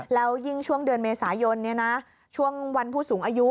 แล้วยิ่งช่วงเดือนเมษายนช่วงวันผู้สูงอายุ